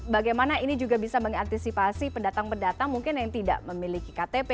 bagaimana ini juga bisa mengantisipasi pendatang pendatang mungkin yang tidak memiliki ktp